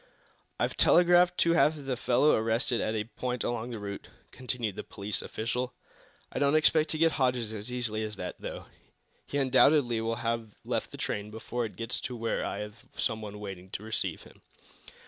"I've telegraphed to have the fellow arrested at a point along the route," continued the police official. "I don't expect to get Hodges as easily as that, though. He undoubtedly will have left the train before it gets to where I have some one waiting to receive him."